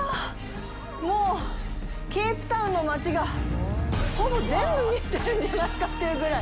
もうケープタウンの街がほぼ全部、見えてるんじゃないかというぐらい。